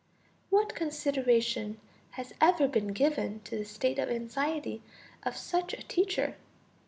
What consideration has ever been given to the state of anxiety of such a teacher?